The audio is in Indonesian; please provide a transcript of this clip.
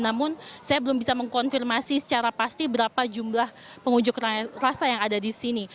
namun saya belum bisa mengkonfirmasi secara pasti berapa jumlah pengunjuk rasa yang ada di sini